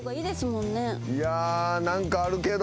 いや何かあるけど。